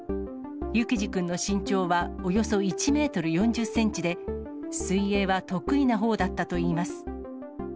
幸士君の身長はおよそ１メートル４０センチで、水泳は得意なほうだったといいます。